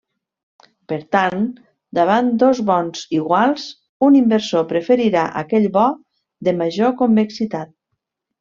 Per tant, davant dos bons iguals, un inversor preferirà aquell bo de major convexitat.